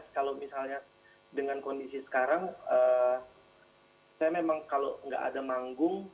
kalau misalnya dengan kondisi sekarang saya memang kalau nggak ada manggung